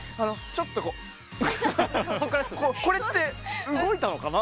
ちょっとこれって動いたのかな？